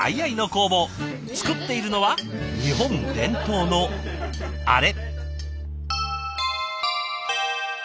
作っているのは日本伝統のあれ。